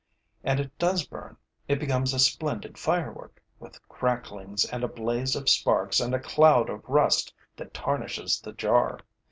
And it does burn; it becomes a splendid firework, with cracklings and a blaze of sparks and a cloud of rust that tarnishes the jar.